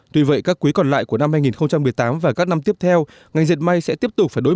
tuy vậy các quý còn lại của năm hai nghìn một mươi tám và các năm tiếp theo ngành dệt may sẽ tiếp tục phải đối